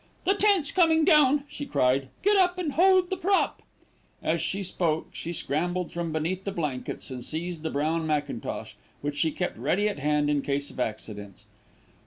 "The tent's coming down," she cried. "Get up and hold the prop." As she spoke, she scrambled from beneath the blankets and seized the brown mackintosh, which she kept ready to hand in case of accidents.